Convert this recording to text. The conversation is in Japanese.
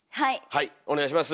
はいお願いします。